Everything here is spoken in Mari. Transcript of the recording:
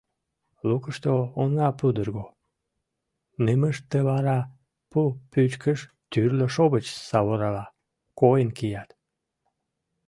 Лукышто оҥа пудырго, нымыштывара, пу пӱчкыш, тӱрлӧ шовыч саворала койын кият.